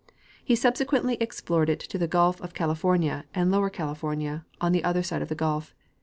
He subsequently ex plored it to the gulf of California and Lower California, on the other side of the gulf.